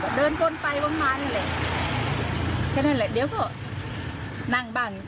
เดินวนไปวนมานี่แหละแค่นั้นแหละเดี๋ยวก็นั่งบ้าง